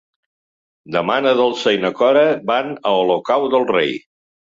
Demà na Dolça i na Cora van a Olocau del Rei.